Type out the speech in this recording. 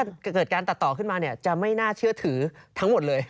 ถ้าเกิดการตัดต่อขึ้นมาจะไม่น่าเชื่อถือทั้งหมดเลย